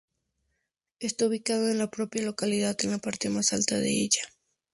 Está ubicado en la propia localidad, en la parte más alta de ella.